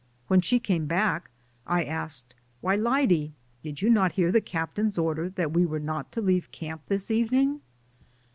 When she came back I asked, "Why, Lyde, did you not hear the captain's order that we were not to leave camp this evening